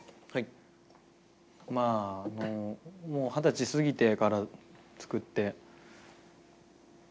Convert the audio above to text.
まああの二十歳過ぎてから作って。